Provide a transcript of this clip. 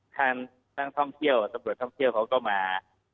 ทางนักท่องเที่ยวตำรวจท่องเที่ยวเขาก็มา